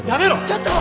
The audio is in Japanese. ちょっと。